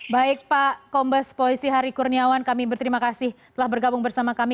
baik pak kombes polisi hari kurniawan kami berterima kasih telah bergabung bersama kami